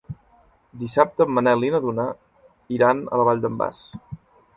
Dissabte en Manel i na Duna iran a la Vall d'en Bas.